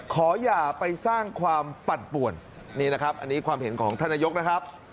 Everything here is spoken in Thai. ขออย่าไปสร้างความปั่นป่วนนี่นะครับอันนี้ความเห็นของท่านนายกนะครับ